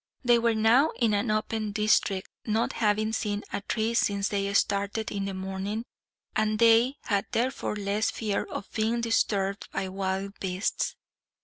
They were now in an open district, not having seen a tree since they started in the morning, and they had therefore less fear of being disturbed by wild beasts.